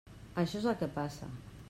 Això és el que passa.